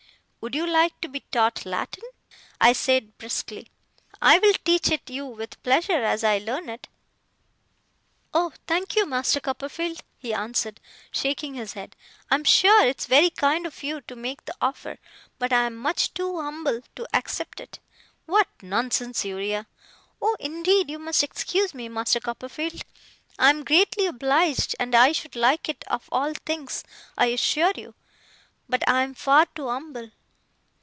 'Would you like to be taught Latin?' I said briskly. 'I will teach it you with pleasure, as I learn it.' 'Oh, thank you, Master Copperfield,' he answered, shaking his head. 'I am sure it's very kind of you to make the offer, but I am much too umble to accept it.' 'What nonsense, Uriah!' 'Oh, indeed you must excuse me, Master Copperfield! I am greatly obliged, and I should like it of all things, I assure you; but I am far too umble.